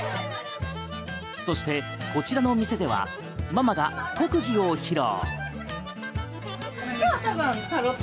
そして、こちらの店ではママが特技を披露。